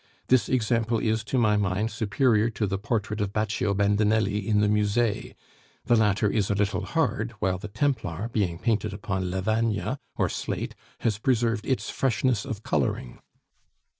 This example is, to my mind, superior to the portrait of Baccio Bandinelli in the Musee; the latter is a little hard, while the Templar, being painted upon 'lavagna,' or slate, has preserved its freshness of coloring.